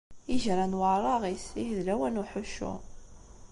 Igran weṛṛaɣit, ihi d lawan n uḥuccu